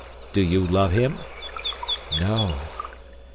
"Do you love him?" "No."